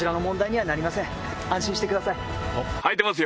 はいてますよ？